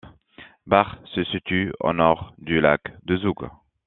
Baar se situe au nord du lac de Zoug.